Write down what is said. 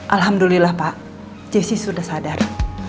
alhamdulillah pak jessi sudah sadar